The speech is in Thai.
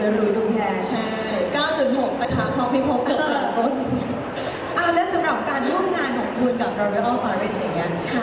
แล้วสำหรับการร่วมงานของคุณกับรอเวอร์อ้อมฟ้าวิเศษ